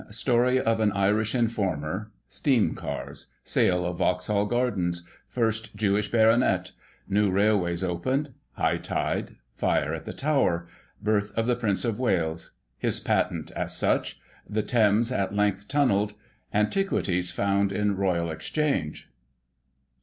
Story of an Irish informer — Steam Cars — Sale of Vauxhall Gardens — First Jewish Baronet — New Railways opened — High tide — Fire at the Tower — Birth of Prince of Wales — His patent as such — The Thames at length tunnelled — Antiquities found in Royal Exchange.